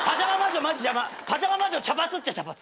「パジャマ魔女茶髪っちゃ茶髪」